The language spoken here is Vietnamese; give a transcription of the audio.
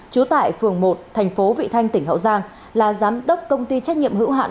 trú tại phường một thành phố vị thanh tỉnh hậu giang là giám đốc công ty trách nhiệm hữu hạn